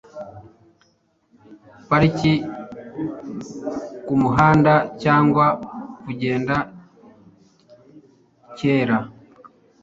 parike kumuhanda cyangwa kugenda kera